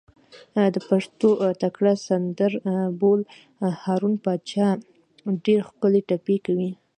د پښتو تکړه سندر بول، هارون پاچا ډېرې ښکلې ټپې کوي.